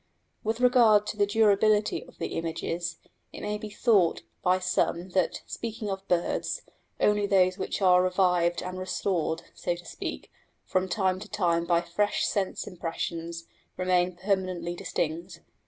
With regard to the durability of the images, it may be thought by some that, speaking of birds, only those which are revived and restored, so to speak, from time to time by fresh sense impressions remain permanently distinct.